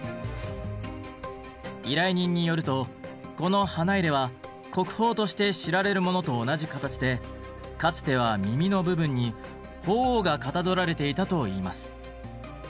依頼人によるとこの花入は国宝として知られるものと同じ形でかつては耳の部分に鳳凰がかたどられていたといいます。